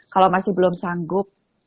kalau masih belum sanggup